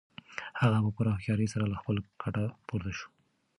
هغه په پوره هوښیارۍ سره له خپل کټه پورته شو.